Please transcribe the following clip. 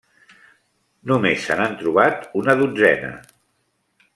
Només se n'han trobat una dotzena.